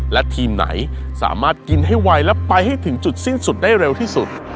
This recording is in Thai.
และทีมไหนสามารถกินให้ไวและไปให้ถึงจุดสิ้นสุดได้เร็วที่สุด